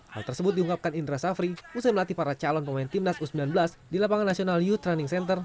hal tersebut diungkapkan indra safri usai melatih para calon pemain timnas u sembilan belas di lapangan national youth training center